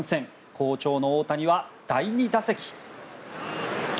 好調の大谷は第２打席。